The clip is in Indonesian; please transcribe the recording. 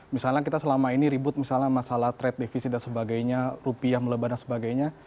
misalnya kita selama ini ribut masalah trade deficit dan sebagainya rupiah melebaran dan sebagainya